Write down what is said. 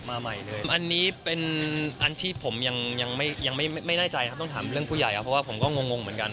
มันอันที่ผมยังไม่น่าใจต้องถามเรื่องผู้ใหญ่เพราะว่าผมก็งงเหมือนกัน